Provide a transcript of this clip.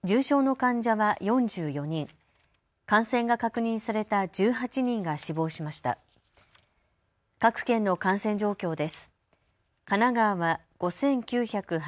各県の感染状況です。